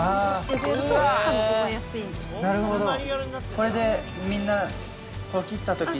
これでみんな切った時に。